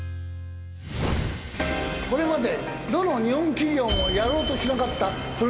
これまでどの日本企業もやろうとしなかった。